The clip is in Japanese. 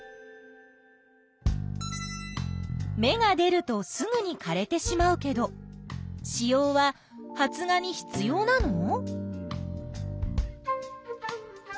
芽が出るとすぐにかれてしまうけど子葉は発芽に必要なの？